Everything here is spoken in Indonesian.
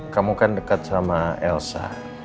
kamu kan dekat sama elsa